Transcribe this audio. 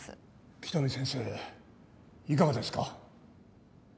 喜多見先生いかがですか？